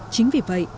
chính vì vậy